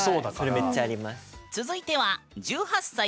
それめっちゃあります。